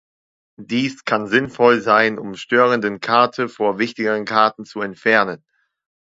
Dies kann sinnvoll sein um störenden Karte vor wichtigeren Karten zu entfernen.